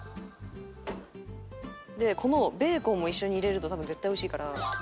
でこのベーコンも一緒に入れると多分絶対おいしいから。